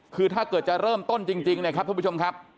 คือถ้าเกิดจะเริ่มต้นจริงเนี่ยครับท่านผู้ชมครับ